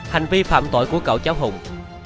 hành vi phạm tội của cậu cháu hùng